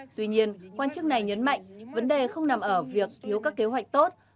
tuy nhiên quan chức này nhấn mạnh vấn đề không nằm ở việc thiếu các kế hoạch tốt